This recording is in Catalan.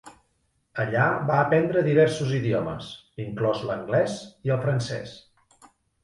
Allà va aprendre diversos idiomes, inclòs l'anglès i el francès.